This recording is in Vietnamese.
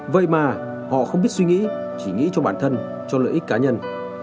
vậy mà họ không biết suy nghĩ chỉ nghĩ cho bản thân cho lợi ích cá nhân